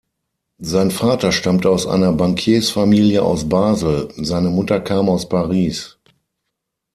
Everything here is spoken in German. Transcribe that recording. Sein Vater stammte aus einer Bankiersfamilie aus Basel; seine Mutter kam aus Paris.